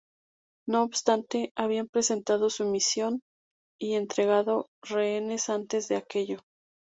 No obstante, habían presentado su sumisión y entregado rehenes antes de aquello.